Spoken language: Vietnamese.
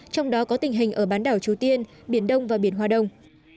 trong đó có tình hình ở bán đảo triều tiên biển đông và biển hoa đông